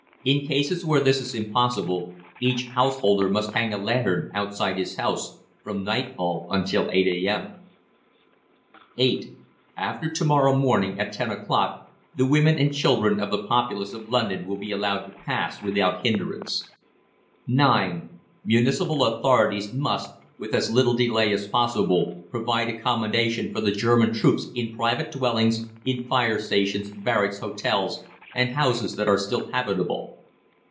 In cases where this is impossible, each householder must hang a lantern outside his house from nightfall until 8 A.M. (8) AFTER TO MORROW morning, at 10 o'clock, the women and children of the population of London will be allowed to pass without hindrance. (9) MUNICIPAL AUTHORITIES MUST, with as little delay as possible, provide accommodation for the German troops in private dwellings, in fire stations, barracks, hotels, and houses that are still habitable.